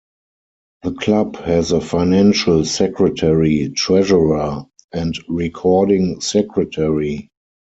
The club has a Financial Secretary, Treasurer, and Recording Secretary.